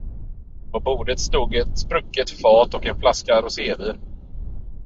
På bordet stod ett sprucket fat och en flaska rosévin.